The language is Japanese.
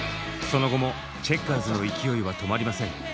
その後もチェッカーズの勢いは止まりません。